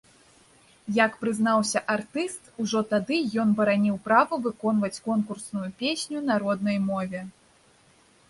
Як прызнаўся артыст, ужо тады ён бараніў права выконваць конкурсную песню на роднай мове.